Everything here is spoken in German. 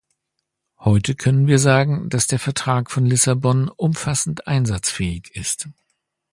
Heute können wir sagen, dass der Vertrag von Lissabon umfassend einsatzfähig ist.